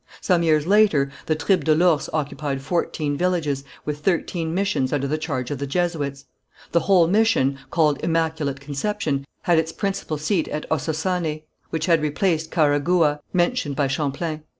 Some years later, the tribe de l'Ours occupied fourteen villages, with thirteen missions under the charge of the Jesuits. The whole mission, called Immaculate Conception, had its principal seat at Ossossané, which had replaced Carhagouha, mentioned by Champlain.